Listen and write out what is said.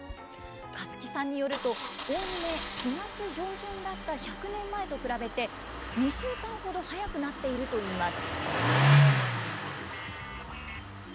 勝木さんによると、おおむね４月上旬だった１００年前と比べて、２週間ほど早くなっているといいます。